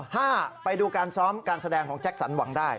ไปดูการซ้อมการแสดงของแจ็คสันหวังได้